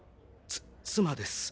つ妻です。